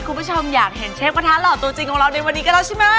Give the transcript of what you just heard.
คุณผู้ชมอยากเห็นเชฟกระทะหล่อตัวจริงของเราในวันนี้ก็แล้วใช่ไหม